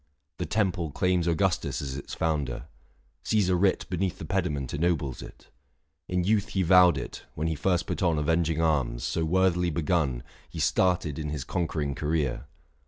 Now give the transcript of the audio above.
The temple claims Augustus as its founder ; Caesar writ Beneath the pediment ennobles it. In youth he vowed it, when he first put on 645 Avenging arms : so worthily begun, He started in his conquering career.